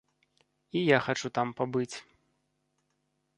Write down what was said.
І я хачу там пабыць.